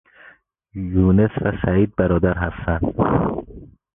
یونس و سعید برادر هستند.